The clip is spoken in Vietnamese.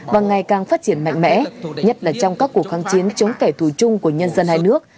và ngày càng phát triển mạnh mẽ nhất là trong các cuộc kháng chiến chống kẻ thù chung của nhân dân hai nước